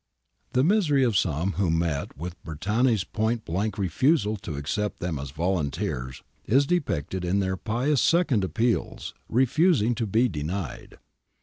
The misery of some who met with Bertani's point blank refusal to accept them as volunteers is depicted in their piteous second appeals, refusing to bt denied.